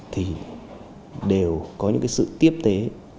thì đều có những cái sự tiếp tế